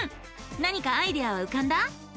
何かアイデアはうかんだ？